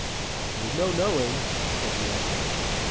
"There's no knowing," said the old man.